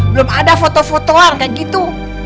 belum ada foto fotoan kayak gitu